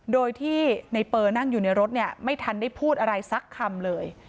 โดยที่ในเปอร์นั่งอยู่ในรถเนี่ยไม่ทันได้พูดอะไรสักคำเลย